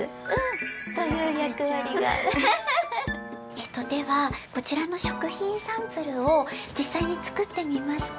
えっとではこちらの食品サンプルをじっさいにつくってみますか？